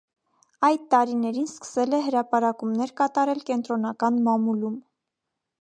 Այդ տարիներին սկսել է հրապարակումներ կատարել կենտրոնական մամուլում։